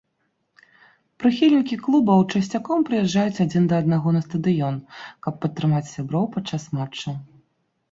Прыхільнікі клубаў часцяком прыязджаюць адзін да аднаго на стадыён, каб падтрымаць сяброў падчас матчу.